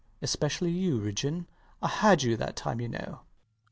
Especially you, Ridgeon. I had you that time, you know.